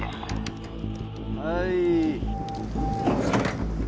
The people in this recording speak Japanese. はい。